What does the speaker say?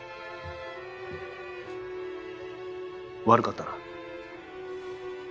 悪かったな。